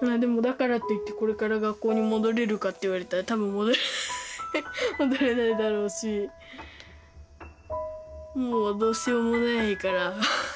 まあでもだからといってこれから学校に戻れるかって言われたら多分戻れない戻れないだろうしもうどうしようもないから。